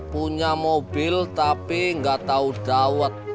punya mobil tapi gak tau dawet